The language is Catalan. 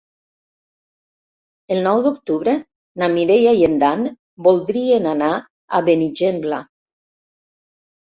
El nou d'octubre na Mireia i en Dan voldrien anar a Benigembla.